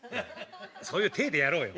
そういう体でやろうよ。